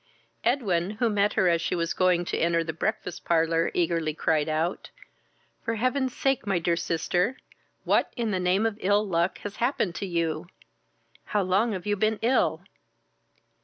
Edwin, who met her as she was going to enter the breakfast parlour, eagerly cried out, "For heaven's sake, my dear sister, what, in the name of ill luck, has happened to you? how long have you been ill?"